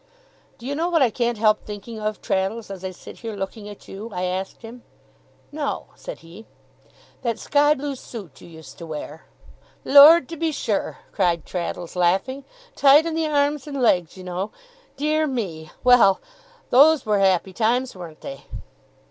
'Do you know what I can't help thinking of, Traddles, as I sit here looking at you?' I asked him. 'No,' said he. 'That sky blue suit you used to wear.' 'Lord, to be sure!' cried Traddles, laughing. 'Tight in the arms and legs, you know? Dear me! Well! Those were happy times, weren't they?